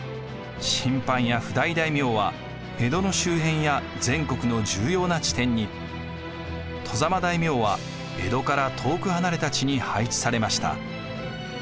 親藩や譜代大名は江戸の周辺や全国の重要な地点に外様大名は江戸から遠く離れた地に配置されました。